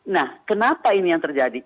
nah kenapa ini yang terjadi